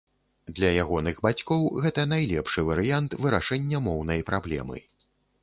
Для ягоных бацькоў гэта найлепшы варыянт вырашэння моўнай праблемы.